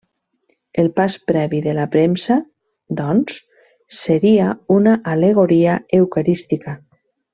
El pas previ de la premsa, doncs, seria una al·legoria eucarística.